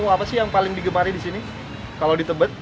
apa sih yang paling digemari disini kalau di tebet